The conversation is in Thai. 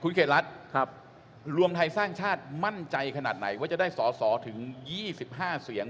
เขตรัฐรวมไทยสร้างชาติมั่นใจขนาดไหนว่าจะได้สอสอถึง๒๕เสียง